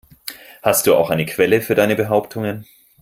Hast du auch eine Quelle für deine Behauptungen?